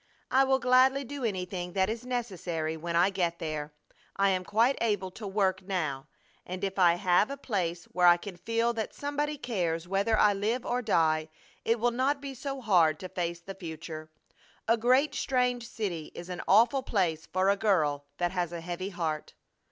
I will gladly do anything that is necessary when I get there. I am quite able to work now; and if I have a place where I can feel that somebody cares whether I live or die it will not be so hard to face the future. A great, strange city is an awful place for a girl that has a heavy heart!